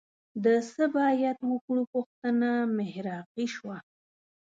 د څه باید وکړو پوښتنه محراقي شوه